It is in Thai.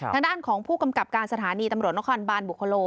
ทางด้านของผู้กำกับการสถานีตำรวจนครบานบุคโล